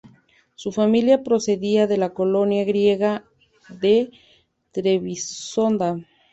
Su familia procedía de la colonia griega de Trebisonda.